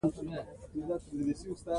هندوکش د افغانستان د زرغونتیا نښه ده.